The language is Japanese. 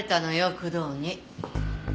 工藤に。